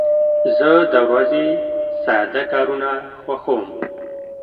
زه د ورځې ساده کارونه خوښوم.